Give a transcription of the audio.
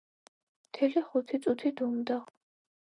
მთელი ხუთი წუთი დუმდა.